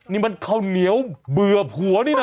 นี่มันข้าวเหนียวเบื่อผัวนี่นะ